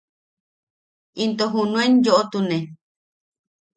Into junuen yo’otune.